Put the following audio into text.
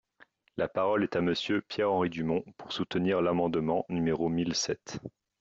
La parole est à Monsieur Pierre-Henri Dumont, pour soutenir l’amendement numéro mille sept.